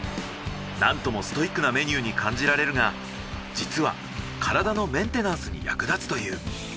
なんともストイックなメニューに感じられるが実は体のメンテナンスに役立つという。